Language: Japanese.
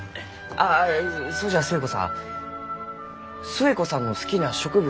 あそうじゃ寿恵子さん寿恵子さんの好きな植物